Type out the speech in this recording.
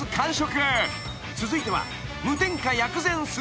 ［続いては］